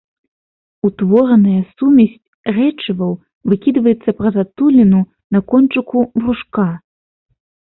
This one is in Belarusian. Утвораная сумесь рэчываў выкідваецца праз адтуліны на кончыку брушка.